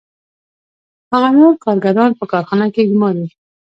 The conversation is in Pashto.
هغه نور کارګران په کارخانه کې ګوماري